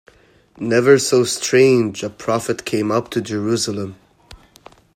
Never so strange a prophet came up to Jerusalem.